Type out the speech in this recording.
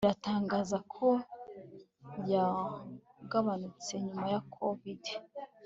iratangaza ko yagabanutse nyuma ya Covidi